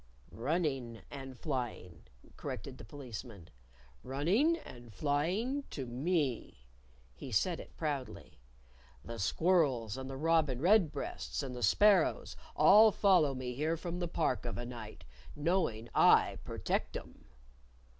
"Running and flying," corrected the Policeman; " running and flying to me." (He said it proudly.) "The squirrels and the robin redbreasts, and the sparrows, all follow me here from the Park of a night, knowing I protect 'em."